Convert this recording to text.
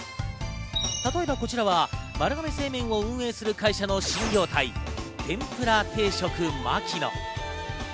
例えばこちらは丸亀製麺を運営する会社の新業態、天ぷら定食まきの。